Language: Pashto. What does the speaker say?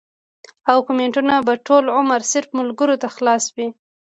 او کمنټونه به ټول عمر صرف ملکرو ته خلاص وي